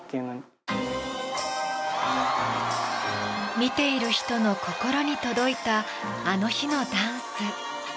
見ている人の心に届いたあの日のダンス。